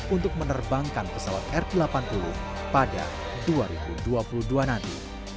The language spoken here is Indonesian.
untuk menerbangkan pesawat r delapan puluh pada dua ribu dua puluh dua nanti